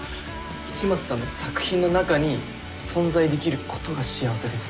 市松さんの作品の中に存在できることが幸せです。